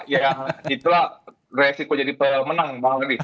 ya itulah resiko jadi pemenang bang riza